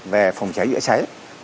về phòng cháy chữa cháy